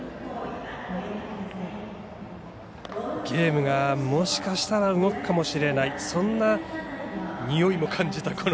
ゲームがもしかしたら動くかもしれないそんなにおいも感じた